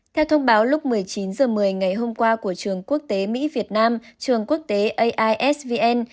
theo thông báo lúc một mươi chín h một mươi ngày hôm qua của trường quốc tế mỹ việt nam trường quốc tế aisvn